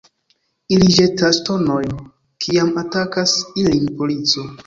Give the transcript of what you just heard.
Ili ĵetas ŝtonojn, kiam atakas ilin polico.